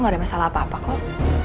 gak ada masalah apa apa kok